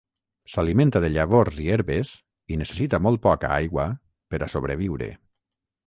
S'alimenta de llavors i herbes i necessita molt poca aigua per a sobreviure.